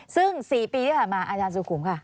ซึ่ง๔ปีที่ผ่านมาอาจารย์สุขุมค่ะ